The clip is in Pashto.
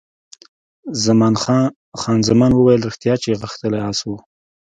خان زمان وویل، ریښتیا چې غښتلی اس وو.